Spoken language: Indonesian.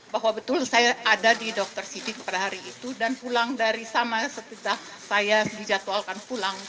bahwa betul saya ada di dr sidik pada hari itu dan pulang dari sana setelah saya dijadwalkan pulang